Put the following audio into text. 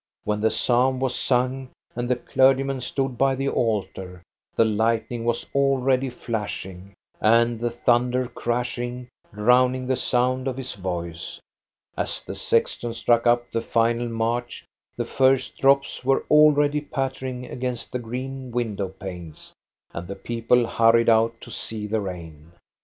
When the psalm was sung, and the clergyman stood by the altar, the lightning was already flashing, and the thunder crashing, drowning the sound of his voice. As the sexton struck up the final march, the first drops were already pattering against the green window panes, and the people hurried out to see the rain.